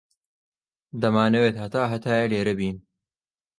دەمانەوێت هەتا هەتایە لێرە بین.